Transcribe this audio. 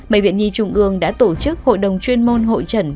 bệnh viện nhi trung ương đã tổ chức hội đồng chuyên môn hội trận